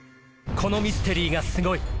［『このミステリーがすごい！』